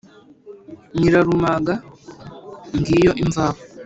Nyirarumaga ngiyo imvaho,